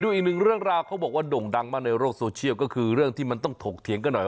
อีกหนึ่งเรื่องราวเขาบอกว่าด่งดังมากในโลกโซเชียลก็คือเรื่องที่มันต้องถกเถียงกันหน่อย